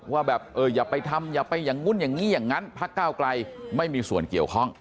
ว่าแบบเอออย่าไปทำอย่าไปอย่างนู้นอย่างนี้อย่างนั้นพักก้าวไกลไม่มีส่วนเกี่ยวข้อง